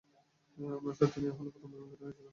আমরা চারজন এই হলে, প্রথমবার মিলিত হয়েছিলাম।